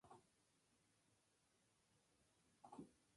La mayoría de sus integrantes se trasladaron a otros grupos.